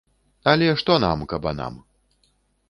Але што нам, кабанам?